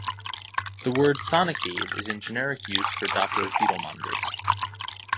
The word "Sonicaid" is in generic use for Doppler fetal monitors.